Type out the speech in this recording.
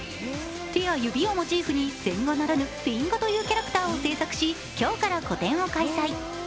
手や指をモチーフにセンガならぬフィンガというキャラクターを制作し今日から個展を開催。